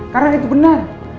karena itu benar